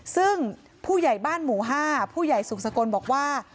ซึ่งผู้ใหญ่บ้านหมู่๕ผู้ใหญ่สุขสกลบอกว่า